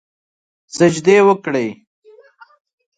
سجدې وکړي